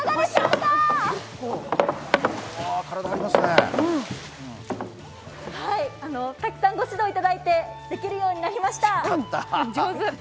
たくさんご指導いただいて、できるようになりました。